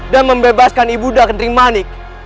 dan membebaskan ibu nda ketering manik